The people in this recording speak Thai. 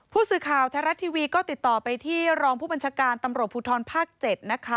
ผู้สื่อข่าวไทยรัฐทีวีก็ติดต่อไปที่รองผู้บัญชาการตำรวจภูทรภาค๗นะคะ